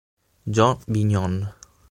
Joe Binion